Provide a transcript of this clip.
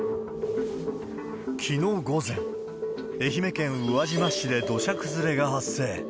きのう午前、愛媛県宇和島市で土砂崩れが発生。